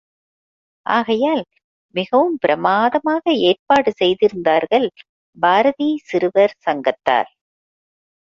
ஆகையால், மிகவும் பிரமாதமாக ஏற்பாடு செய்திருந்தார்கள் பாரதி சிறுவர் சங்கத்தார்.